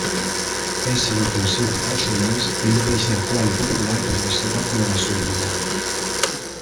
És inofensiu per als humans i un peix d'aquari popular per la seua coloració brillant.